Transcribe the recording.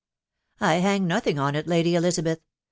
" I hang nothing on it, Lady Elizabeth.